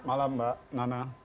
malam mbak nana